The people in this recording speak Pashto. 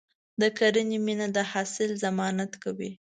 د کرنې مینه د حاصل ضمانت کوي.